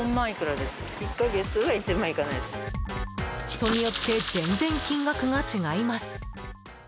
人によって全然金額が違います。